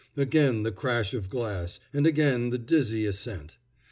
Again the crash of glass, and again the dizzy ascent.